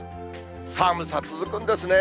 寒さ続くんですね。